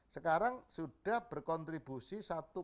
sekarang sudah berkontribusi satu